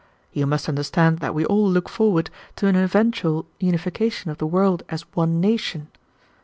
You must understand that we all look forward to an eventual unification of the world as one nation.